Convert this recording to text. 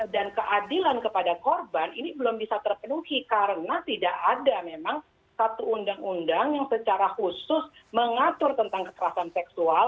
dan keadilan kepada korban ini belum bisa terpenuhi karena tidak ada memang satu undang undang yang secara khusus mengatur tentang kekerasan seksual